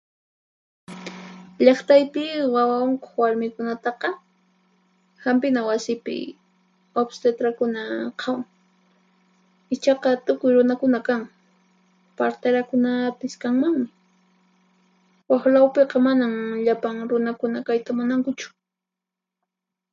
Llaqtaypi wawa unquq warmikunataqa Hanpina wasipi obstetrakuna qhawan. Ichaqa tukuy runakuna kan, parterakunapis kanmanmi, waqlawpiqa manan llapan runakuna kayta munankuchu.